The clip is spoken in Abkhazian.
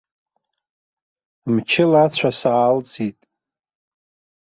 Мчыла ацәа саалҵит.